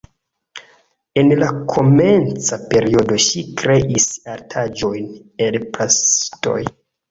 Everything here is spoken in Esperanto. En la komenca periodo ŝi kreis artaĵojn el plastoj.